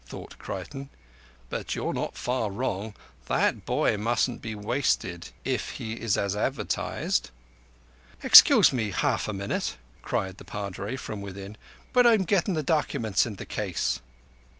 thought Creighton. "But you're not far wrong. That boy mustn't be wasted if he is as advertised." "Excuse me half a minute," cried the Padre from within, "but I'm gettin' the documents in the case."